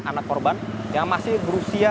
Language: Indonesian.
anak korban yang masih berusia